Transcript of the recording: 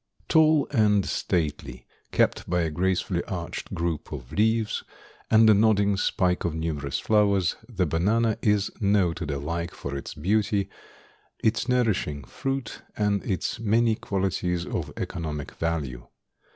Tall and stately, capped by a gracefully arched group of leaves and a nodding spike of numerous flowers, the banana is noted alike for its beauty, its nourishing fruit and its many qualities of economic value.